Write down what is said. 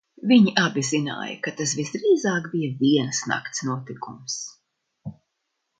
Viņi abi zināja, ka tas visdrīzāk bija tikai vienas nakts notikums.